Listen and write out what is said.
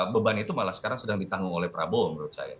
beban itu malah sekarang sedang ditanggung oleh prabowo menurut saya